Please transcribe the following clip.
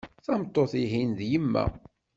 Tameṭṭut ihin d yemma.